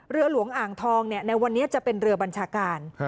เรือหลวงอ่างทองในวันนี้จะเป็นเรือบัญชาการ